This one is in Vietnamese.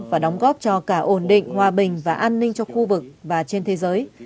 và đóng góp cho cả ổn định hòa bình và an ninh cho khu vực và trên thế giới